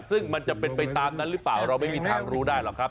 ซึ่งมันจะเป็นไปตามนั้นหรือเปล่าเราไม่มีทางรู้ได้หรอกครับ